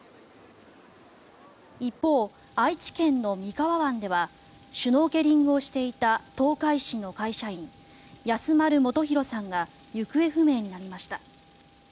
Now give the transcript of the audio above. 一方、愛知県の三河湾ではシュノーケリングをしていた東海市の会社員、安丸元浩さんが行方不明になりました。